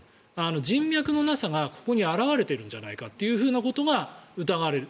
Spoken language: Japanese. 人脈のなさがここに表れているんじゃないかということが疑われる。